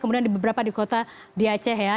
kemudian di beberapa di kota di aceh ya